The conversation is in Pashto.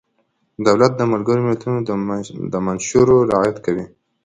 دولت د ملګرو ملتونو د منشورو رعایت کوي.